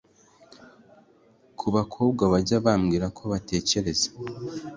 ku bakobwa bajya bambwira ko batekereza